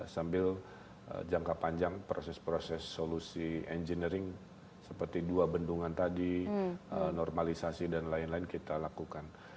sambil jangka panjang proses proses solusi engineering seperti dua bendungan tadi normalisasi dan lain lain kita lakukan